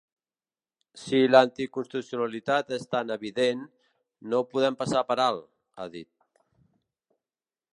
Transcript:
“Si l’anticonstitucionalitat és tan evident, no ho podem passar per alt”, ha dit.